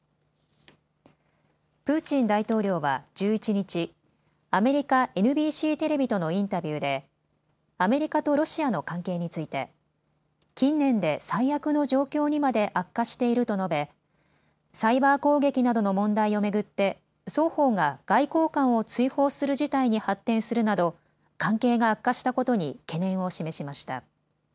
プーチン大統領は１１日、アメリカ・ＮＢＣテレビとのインタビューでアメリカとロシアの関係について近年で最悪の状況にまで悪化していると述べサイバー攻撃などの問題を巡って双方が外交官を追放する事態に発展するなど関係が悪化したことに懸念を示しました。